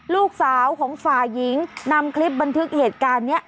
ลูกสาวของฝ่ายหญิงนำคลิปบันทึกเหตุการณ์นี้